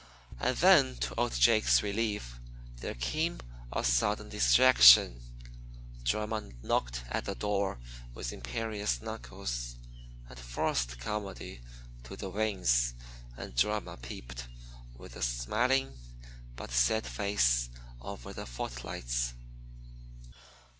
And then, to old Jake's relief, there came a sudden distraction. Drama knocked at the door with imperious knuckles, and forced Comedy to the wings, and Drama peeped with a smiling but set face over the footlights.